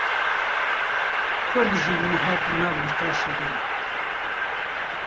Kurd jî niha di nav nîqaşê de ne